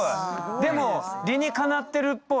でも理にかなってるっぽい。